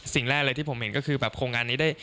สิ่งแรกเลยที่ผมเห็นก็คือโครงการนี้